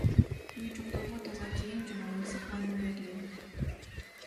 Үйү жокторго таза кийим жана ысык ванна берилет.